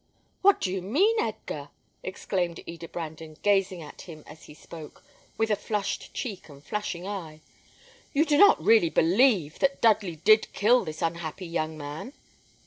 "What do you mean, Edgar?" exclaimed Eda Brandon, gazing at him as he spoke, with a flushed cheek and flashing eye. "You do not really believe that Dudley did kill this unhappy young man?"